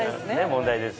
問題です。